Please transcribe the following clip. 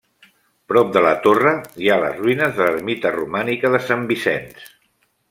Prop de la torre, hi ha les ruïnes de l'ermita romànica de Sant Vicenç.